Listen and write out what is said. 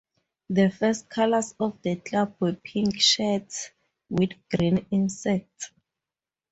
The first colours of the club were pink shirts with green insets.